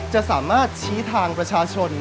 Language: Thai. จะสามารถชี้ทางประชาชน